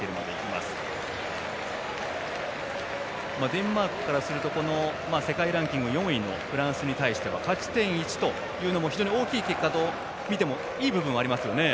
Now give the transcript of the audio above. デンマークからすると世界ランキング４位のフランスに対しては勝ち点１というのも非常に大きい結果とみてもいい部分はありますよね。